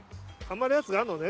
まるやつがあんのね？